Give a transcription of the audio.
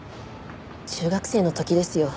中学生の時ですよ。